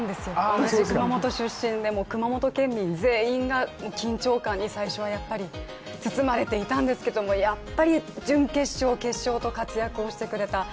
同じ熊本出身で熊本県民全員が緊張感に最初はやっぱり包まれていたんですけれどもやっぱり準決勝、決勝と活躍をしてくれた。